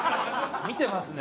見てますね。